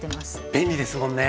便利ですもんね。